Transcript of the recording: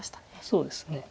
そうですね。